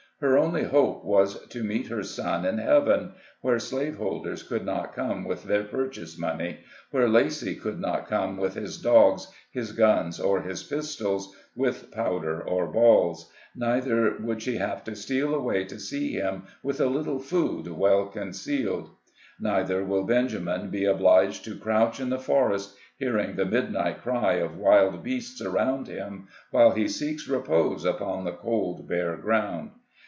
Her only hope was to meet her son in heaven, where slaveholders could not come with their purchase money, where Lacy could not come with his dogs, his guns, or his pistols, with powder or balls ; neither would she have to steal away to see him, with a little food well concealed. Neither will Benjamin be obliged to crouch in the forest, hearing the midnight cry of wild beasts around him, while he seeks repose upon the cold, bare ground.